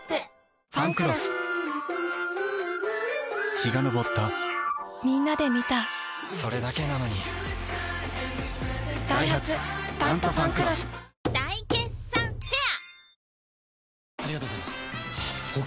陽が昇ったみんなで観たそれだけなのにダイハツ「タントファンクロス」大決算フェア